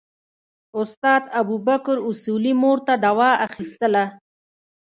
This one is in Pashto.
استاد ابوبکر اصولي مور ته دوا اخیستله.